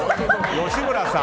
吉村さん！